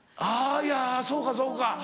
あぁいやそうかそうか。